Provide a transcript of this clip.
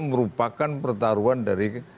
merupakan pertaruhan dari